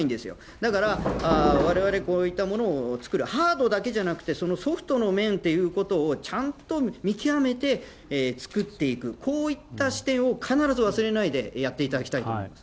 だからわれわれ、こういったものを作るハードだけじゃなくて、そのソフトの面ということをちゃんと見極めて作っていく、こういった視点を必ず忘れないでやっていただきたいと思います。